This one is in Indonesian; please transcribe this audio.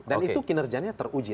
dan itu kinerjanya teruji